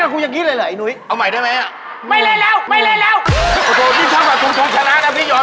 ข้องรูป๕พอ